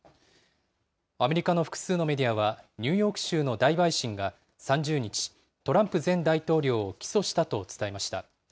アメリカの複数のメディアは、ニューヨーク州の大陪審が３０日、トランプ前大統領を起訴したと伝えました。